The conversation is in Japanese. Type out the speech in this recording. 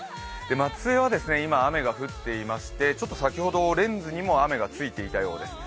松江は今、雨が降っていまして、先ほど、レンズにも雨がついていたようです。